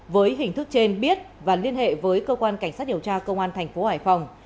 với hình thức trên biết và liên hệ với cơ quan cảnh sát điều tra công an thành phố hải phòng